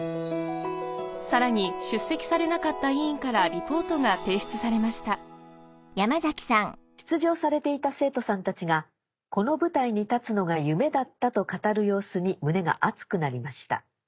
さらに出席されなかった委員からリポートが提出されました「出場されていた生徒さんたちが『この舞台に立つのが夢だった』と語る様子に胸が熱くなりました。